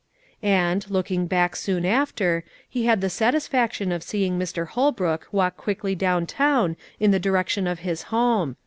And, looking back soon after, he had the satisfaction of seeing Mr. Holbrook walk quickly down town in the direction of his home.